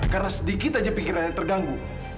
karena sedikit aja pikiran yang terganggu